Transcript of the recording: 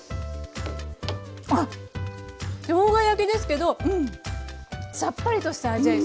あっしょうが焼きですけどさっぱりとした味わい。